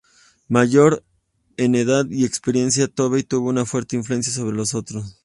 Mayor en edad y experiencia, Tobey tuvo una fuerte influencia sobre los otros.